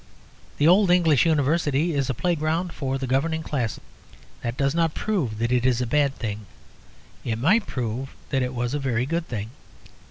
The Old English University is a playground for the governing class. That does not prove that it is a bad thing; it might prove that it was a very good thing.